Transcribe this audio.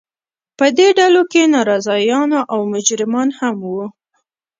په دې ډلو کې ناراضیان او مجرمان هم وو.